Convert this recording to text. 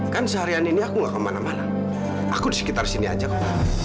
kan seharian ini aku gak kemana mana aku di sekitar sini aja kok